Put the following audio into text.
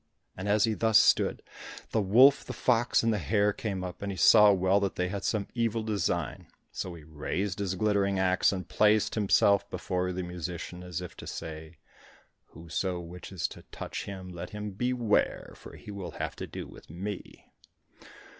And as he thus stood, the wolf, the fox, and the hare came up, and he saw well that they had some evil design. So he raised his glittering axe and placed himself before the musician, as if to say, "Whoso wishes to touch him let him beware, for he will have to do with me!"